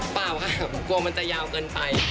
เปล่าค่ะกลัวมันจะยาวเกินไป